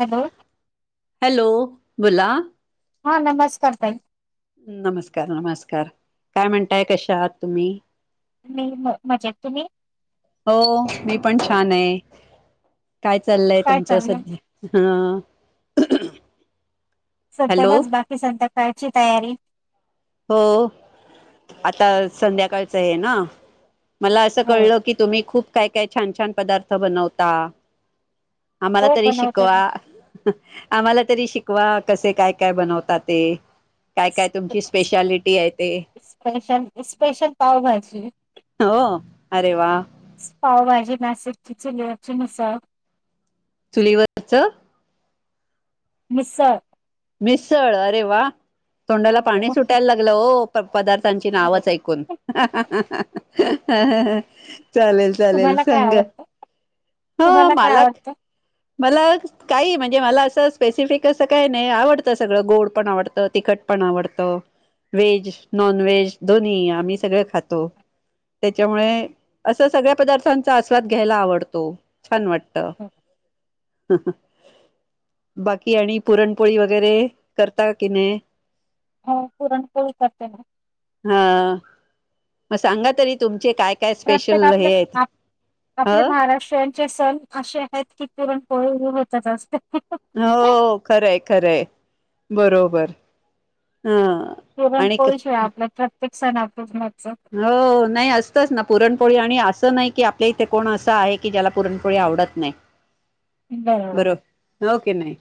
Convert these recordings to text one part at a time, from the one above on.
Hello. Hello बोला. हा नमस्कार ताई. नमस्कार नमस्कार काय म्हणताय कशा आहात तुम्ही? म म मजेत तुम्ही? हो मी पण छान आहे काय चाललंय काय तुमचं चाललं सध्या हा. सध्या हॅलो बस बाकी संध्याकाळची तयारी हो आता संध्याकाळचं आहे ना मला असं हो कळलं की तुम्ही खूप काय काय छान छान पदार्थ बनवता. आम्हाला हो तरी बनवतो शिकवा. ना आम्हाला तरी शिकवा कसे काय काय बनवतात ते काय काय स्पे- तुमची स्पेशालिटी आहे ते स्पेशल स्पेशल पावभाजी हो अरे वा. पावभाजी नाशिकची चुलीवरची मिसळ. चुलीवरचं. मिसळ. मिस्सळ अरे वा तोंडाला पाणी हो सुटायला लागलं हो. पदार्थांची अरे, नावच ऐकून चालेल. चालेल तुम्हाला काय सांगा आवडतं हो तुम्हाला काय मालक आवडतं मला काही म्हणजे मला असं स्पेसिफिक असं काय नाही आवडतं सगळं गोड पण आवडतं तिखट पण आवडतं व्हेज, नॉन व्हेज दोन्ही आम्ही सगळं खातो‌. त्याच्यामुळे असं सगळ्या पदार्थांचा आस्वाद घ्यायला आवडतो छान वाटत बाकी आणि पुरणपोळी वगैरे करता की नाही हो पुरणपोळी करते ना. हा मग सांगा तरी तुमचे काय काय प्रत्येक स्पेशल आपले हे आहेत अ आपले महाराष्ट्रीयन चे सण अशे आहेत की पुरण पोळी होतच असते. हो खरंय खरंय बरोबर हा पुरण पोळी शिवाय आपला प्रत्येक सण अपुर्ण च हो नाही असतच ना पुरणपोळी आणि असं नाही की आपल्या इथे कोण असं आहे की ज्याला पुरणपोळी आवडत नाही. [inaudible] बरोबर हो की नाही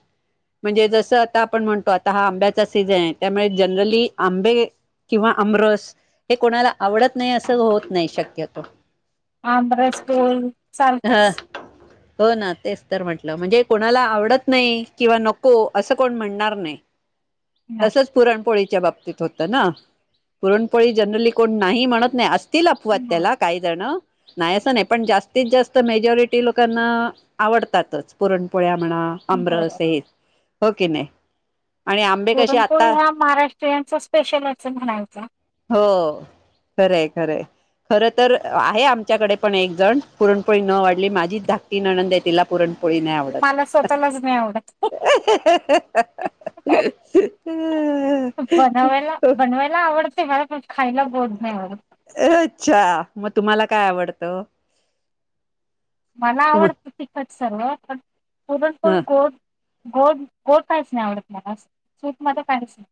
म्हणजे जसं आता आपण म्हणतो आता हा आंब्याचा सीझन आहे त्यामुळे जनरली आंबे किंवा आमरस हे कोणाला आवडत नाही असं होत नाही शक्यतो आमरस पोळी चालतच. ह हो ना तेच तर म्हटलं म्हणजे कोणाला आवडत नाही किंवा नको असं कोण म्हणणार नाही. [unintelligible] तसच पुरणपोळीच्या बाबतीत होतं ना पुरणपोळी जनरली कोण नाही म्हणत नाही असतील अफवाद नाही. त्याला काय जण नाही असं नाही पण जास्तीत जास्त मेजॉरिटी लोकांना आवडतातच पुरणपोळ्या म्हणा आमरस बरोबर हे हो की नाही आणि आंबे कसे पुरणपोळी आता हा महाराष्ट्रीयंनचा स्पेशल अस म्हणायचा. हो खरंय खरंय खर तर आहे आमच्याकडे पण एक जण पुरणपोळी न वाढली माझीच धाकटी नणंद आहे तिला पुरण पोळी नाही आवडत मला स्वतःलाच नाही आवडत ह [inaudible] बनवायला बनवायला आवडते पण खायला गोड नाही आवडत- अच्छा मग तुम्हाला काय आवडतं? मला तुम आवडतं तिखट सर्व पण पुरण पण ह गोड गोड गोड काहीच नाही आवडत मला स्विट मध्ये काहीच नाही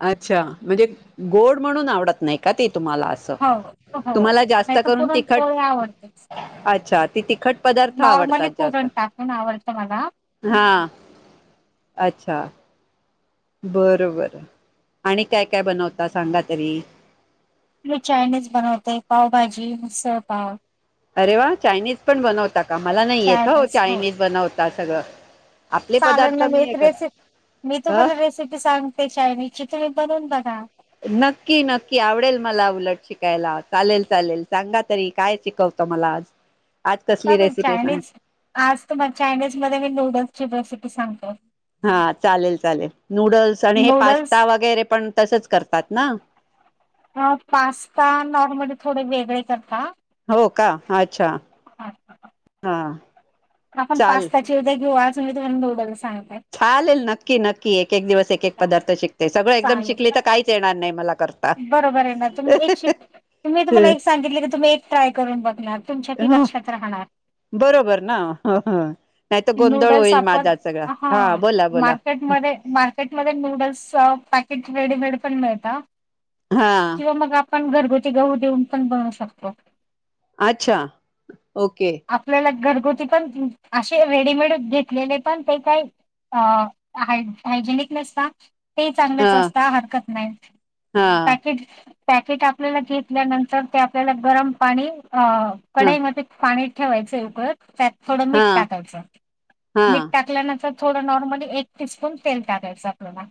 अच्छा म्हणजे गोड म्हणून आवडत नाही का ते तुम्हाला अस हो हो तुम्हाला जास्त नाही तर करून तिखट पुरणपोळी आवडतेच अच्छा ते तिखट पदार्थ नॉर्मली आवडतात जास्त पुरण टाकुन आवडतं मला हा [unintelligible] अच्छा बर बर आणि काय काय बनवता सांगा तरी मी चायनीज बनवते पावभाजी, मिसळपाव अरे वा चायनीज पण बनवता, का मला नाही येत हो चायनीज बनवता सगळं, आपले चाललं पदार्थ ना मी हे रेसिप मी कर तुम्हाला रेसिपी सांगते चायनीजची तुम्ही बनवून बघा नक्की नक्की आवडेल मला उलट शिकायला चालेल चालेल सांगा तरी काय शिकवतं मला [inaudible] आज कसली चालेल रेसिपी सांग चायनीज आज तुम्हाले चायनीज मध्ये मी नूडल्सची रेसिपी सांगतो. हा चालेल चालेल नूडल्स आणि हे नूडल्स पास्ता वगैरे पण तसच करतात ना पास्ता नॉर्मली थोडं वेगळे करता हो का अच्छा हा. हा. आपण चाल पास्ताची उद्या घेऊ आज तुम्हाला मी नुडल्स सांगते. चालेल नक्की नक्की एक एक दिवस एक एक चालेल पदार्थ शिकते सगळं एकदम शिकली चालेल, तर काहीच येणार नाही मला कर बरोबर आहे ना तुम्ही एक शिक मी तुम्हाला एक सांगितले की तुम्ही एक ट्राय करून बघणार तुमच्या ती ह लक्षात राहणार. बरोबर ना नाही तर गोंधळ नूडल्स होईल माझा सगळा हा बोला बोला. मध्ये मार्केटमध्ये नूडल्स पॅकेट रेडीमेड पण मिळतं हा. मग आपण घरगुती गहू देऊन पण बनू शकतो. अच्छा ओके. आपल्याला घरगुती पण अशे रेडीमेड घेतलेले पण ते काय अ हाय हायजेनिक नसता ते हा चांगलेच असता हरकत नाही. हा. केट आपल्याला पॅकेट घेतल्यानंतर ते आपल्याला गरम पाणी अ हा कडाईमध्ये पाणी ठेवायचं उकळत त्यात थोडं मीठ हा टाकायचं हा मीठ टाकल्यानंतर थोडं नॉर्मली एक टीस्पून तेल टाकायचं आपल्याला.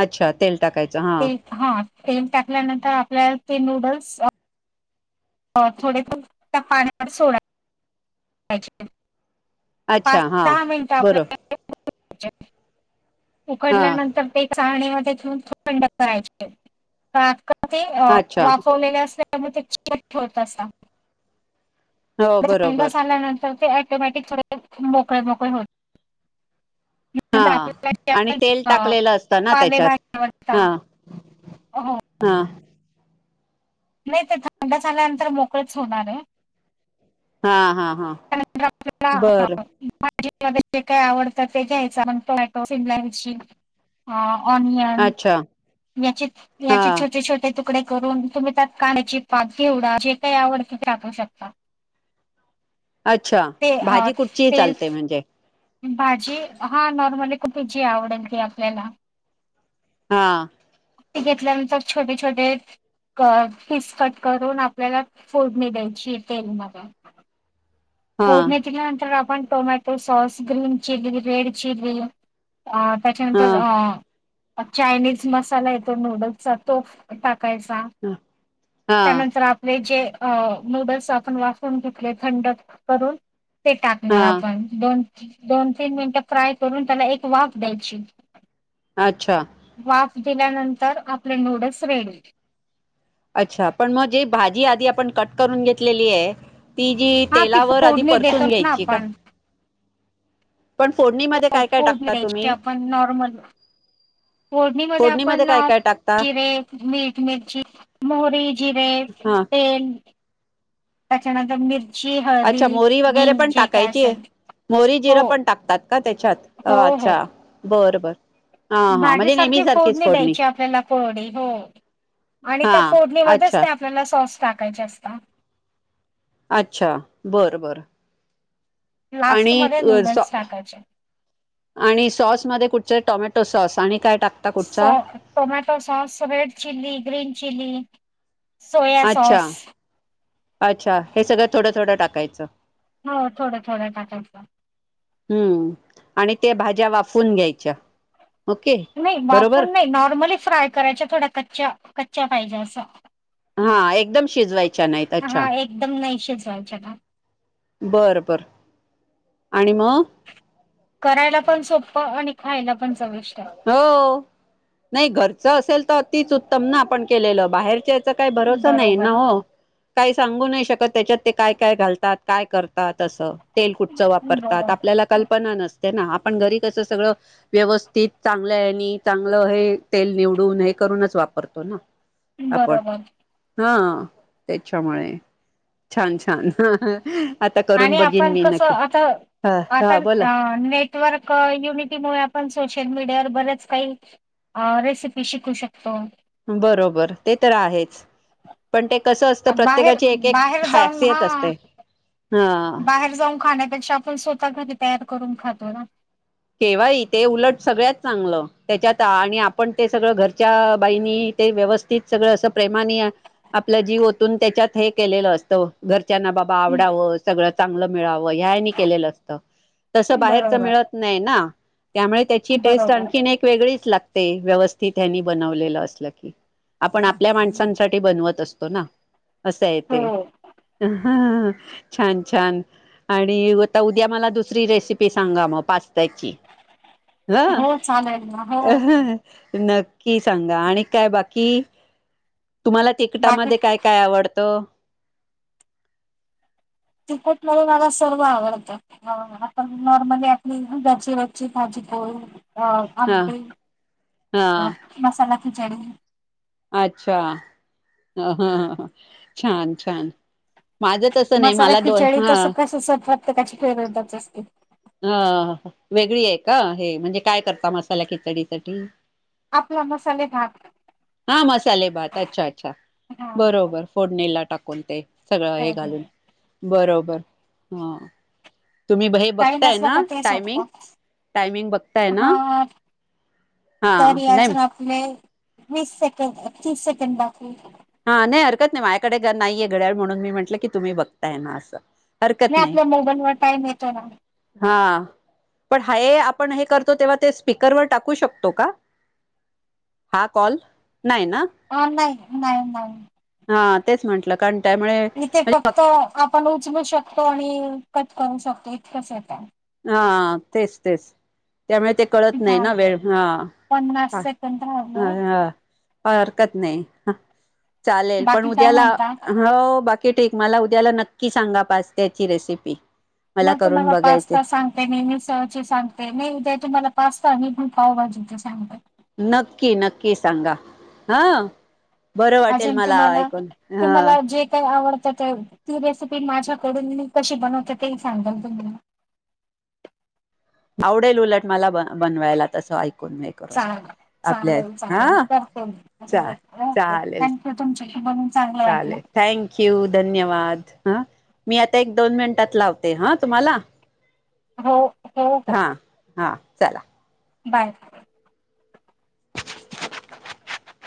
अच्छा तेल टाकायच हा. तेल हा तेल टाकल्यानंतर आपल्या ते नूडल्स थोडे तेल त्या पाण्यावर सोडा पाच अच्छा हा दहा मिनिटं बरो आपल्याला हा उकडल्यानंतर ते चाळणीमध्ये घेऊन थंड करायचे कारण ते अच्छा वाफवलेले असल्या त्यामुळे ते चिकट होतं असं. हो बरोबर [unintelligible] ल्यानंतर ते ऑटोमॅटिक थोडे मोकळे मोकळे होतात हा आणि तेल टाकलेलं असतं ना त्याच्यात हा [unintelligible] अहो हा नाही ते थंड झाल्यानंतर मोकळेच होणार आहे. हा हा हा. [unintelligible] बरं भाजीतलं जे काय आवडतं ते घ्यायचं मग टोमॅटो, सिमला मिर्ची, ऑनियन अच्छा [unintelligible] याचे हा याचे छोटे-छोटे तुकडे तुकडे करून तुम्ही त्यात कांद्याची पाती ऐवडा जे काही आवडतं ते टाकू शकता. अच्छा! ते अ, भाजी कुठचीही तेल चालते म्हणजे. भाजी हा नॉर्मली कुठली जी आवडेल ती आपल्याला. हा. ती घेतल्यानंतर छोटे-छोटे कट पिस कट करून आपल्याला फोडणी द्यायचीय तेलमध्ये हा फोडणीच्यानंतर आपण tomato sauce, green chilli, red chilli आं हा त्याच्यानंतर अं चायनीज मसाला येतो नूडल्सचा तो टाकायचा. हा हा त्यानंतर आपले जे अ नूडल्स आपण वाफवून घेतले थंड करून ते टाकणार हा आपण. दोन दोन तीन मिनिटं फ्राय करून त्याला एक वाफ द्यायची अच्छा! वाफ दिल्यानंतर आपले नूडल्स रेडी. अच्छा! पण मग जे भाजी आधी आपणं कट करून घेतलेली आहे ती जी हा ती तेलावर आदी फोडणी देतो परतून ना घ्यायची का? आपण पण फोडणी हो फोडणी दयायची आपण नॉर्मल फोडणीमध्ये आपण काय काय टाकता जिरे मीट मिर्ची मोहरी जिरे हा तेल. त्याच्यानंतर मी अच्छा मोहरीर वगैरे पण टाकायची असेल मोहरी जिरं हो पण टाकतात. का त्याच्यात हो हो अच्छा बर बर. हा हा म्हणजे नेहमी भाजीसारखी सारखीच फोडणी द्यायची आपल्याला कोरडी हो आणि हा त्या फोडणीमध्येच अच्छा ते आपल्याला सॉस टाकायचे असतात. अच्छा बरं बरं. लास्ट आणि मध्ये नूडल्स टाकायचे आणि सॉसमध्ये कुठचे टोमॅटो सॉस आणि काय टाक. सॉ tomato sauce red chilli green chilli. अच्छा अच्छा हे सगळं थोडं थोडं टाकायचं. हो थोडं थोडं टाकायचं. हम्म आणि ते भाज्या वाफवून घ्यायच्या. ओके नाही बरोबर वाफवून नाही नॉर्मली फ्राय करायच्या थोडा कच्च्या कच्च्या पाहिजे असं. हा एकदम शिजवायच्या नाहीत अच्छा. हा एकदम नाही शिजवायच्या का? बरं बरं आणि मग. करायला पण सोप आणि खायला पण चविष्ट आहे. हो नाही घरच असेल तर अतीच उत्तम ना आपण केलेलं बाहेरच्या. काही भरोसा नाही बरोबर ना हो. काही सांगू नाही शकत त्याच्यात ते काय काय घालतात काय करतात असं. तेल कुठचं वापरतात बरोबर आपल्याला कल्पना नसते ना आपण घरी कसं सगळं. व्यवस्थित चांगल्यानी चांगलं हे तेल निवडून हे करूनच वापरतो ना. आपण बरोबर हा त्याच्यामुळे छान छान. आता आणि करून बघीन आपण मी कसं नक्की आता हा आता. हा बोला नेटवर्क युनिटीमुळे आपण सोशल मीडियावर बरेच काही. रेसिपी शिकू शकतो. बरोबर ते तर आहेच. पण ते कसं असतं बाहेर प्रत्येकाची एक एक बाहेर जाऊन हा खासियत असते. हा बाहेर जाऊन खाण्यापेक्षा आपण स्वतः घरी तयार करून खातो ना. केव्हा ही ते उलट सगळ्यात चांगलं त्याच्यात आणि आपण ते सगळं घरच्या बाईनी ते व्यवस्थित. तीच सगळं असं प्रेमाने. आपलं जीव ओतून त्याच्यात हे केलेलं असतं घरच्यांना बाबा आवडावं सगळं चांगलं मिळावं ह्या. केलेलं असतं. ब्लांक ऑडिओ तस बाहेरच मिळत नाही ना त्यामुळे त्याची टेस्ट बरोबर आणखी एक वेगळीच लागते व्यवस्थित ह्या नी बनवलेलं असलं की आपण आपल्या माणसांसाठी बनवत असतो ना असं य हो ते ह छान छान आणि उता उद्या मला दुसरी रेसिपी सांगा मग पा त्याची हा हो चालेल ना हो अ नक्की सांगा आणि काय बाकी तुम्हाला बाकी तिकटामध्ये काय काय आवडतं. तिकट मधेमला सर्व आवडतं. ह आपण नॉर्मली आपली घरचे वरची भाजी पोळी. अ हा आंबे हा मसाला खिचडी अच्छा ह हा ह ह छान छान. माझं तसं नाही मसाला मला दो खिचडी हा तस कस प्रत्यकाची फेवरेटच असते. ह वेगळी आहे का हे म्हणजे काय करता मसाल्या खिचडीसाठी आपला मसाले भात. हा मसाले भात अच्छा अच्छा हा बरोबर फोडणीला टाकून ते सगळं हे बरोबर. घालून बरोबर हा तुम्ही बहे काही बघताय नसलं ना तर ते टायमिंग सोपं टायमिंग बघताय ना हा तर नाही याजून आपले वीस सेकंड तीस सेकंड दाखव हा नाही हरकत नाही माझ्याकडे नाहीये घड्याळ म्हणून मी म्हटलं की तुम्ही बघताय ना असं नाही आपल्या मोबाईलवर टाईम येतो ना हा पण हाय आपण हे करतो तेव्हा ते स्पीकरवर टाकू शकतो का हा कॉल नाही ना [unintelligible] अ नाही नाही नाही [unintelligible] हा तेच म्हटलं कारण त्यामुळे इथे म्हणजे फक्त आपण उचलू शकतो आणि कट करू शकतो इतकेच य त्यात हा तेच तेच त्यामुळे ते कळत नाही ना झालं वेळ ह पन्नास सेकंद राहिलं का हरकत नाही चालेल पण बाकी काय उद्याला म्हणता हो बाकी ठीक मला उद्याला नक्की सांगा पाचत्याची रेसिपी ह मला करून तुमला बघायचे पाचता सांग ते मेहमी सह सांगते मी ते तुम्हाला पाचता म पण पावभजू ते सांगत नक्की नक्की सांगा हा बरं वाटेल अजून मला तुम्हाला ऐकून ह तुम्हाला जे काही आवडतं ते ती रेसिपी माझ्याकडून मी कशी बनवते ते सांगाल तुम्ला आवडेल उलट मला ब बनवायला तसं ऐकून करून चांगलं आपल्या चांगलं य चांगलं हा य करते मग चा ओके चालेल थँक्यू तुमच्या बोलुनचांगलं वाटलं ्यू धन्यवाद ह मी आता एक दोन मिनिटात लावते हा तुम्हाला हो हो हो हा हा चला [unintelligible] बाय.